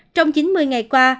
trong chín mươi ngày qua